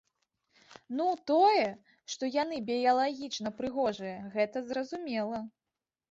Ну, тое, што яны біялагічна прыгожыя, гэта зразумела.